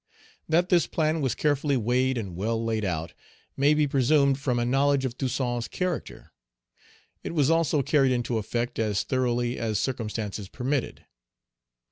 That this plan was carefully weighed and well laid out, may be presumed from a knowledge of Toussaint's character. It was also carried into effect as thoroughly as circumstances permitted.